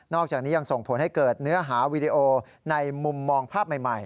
อกจากนี้ยังส่งผลให้เกิดเนื้อหาวีดีโอในมุมมองภาพใหม่